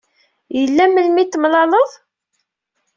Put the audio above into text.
Yella melmi i t-temlaleḍ?